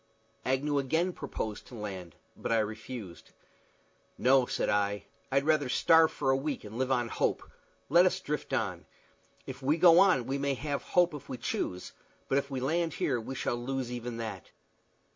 Agnew again proposed to land, but I refused. "No," I said; "I'd rather starve for a week, and live on hope. Let us drift on. If we go on we may have hope if we choose, but if we land here we shall lose even that.